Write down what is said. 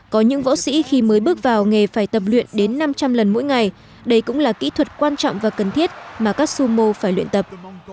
có những võ sĩ khi mới bước vào nghề phải tập luyện đến năm trăm linh lần mỗi ngày đây cũng là kỹ thuật quan trọng và cần thiết mà các sumo phải luyện tập